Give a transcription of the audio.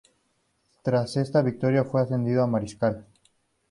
Tras esta victoria fue ascendido a Mariscal.